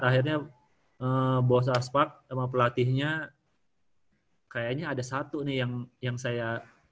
akhirnya bos aspak sama pelatihnya kayaknya ada satu nih yang saya